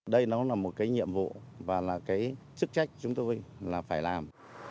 đây nó là một cái nhiệm vụ và là cái chức trách chúng tôi là phải làm